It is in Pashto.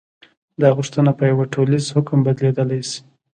دا غوښتنه په یوه ټولیز حکم بدلېدلی شي.